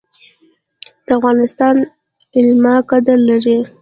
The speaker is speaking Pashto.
د افغانستان علما قدر لري